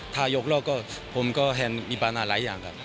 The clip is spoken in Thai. ถ้ายกแล้วผมก็เห็นมีปัญหาหลายอย่างครับ